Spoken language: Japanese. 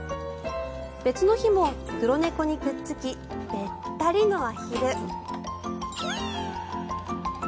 別の日も黒猫にくっつきべったりのアヒル。